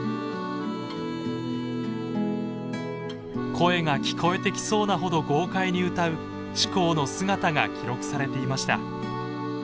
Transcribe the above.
声が聞こえてきそうなほど豪快に歌う志功の姿が記録されていました。